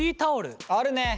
あるね。